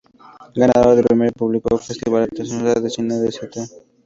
Ganador del premio del Público del Festival Internacional de Cine de St.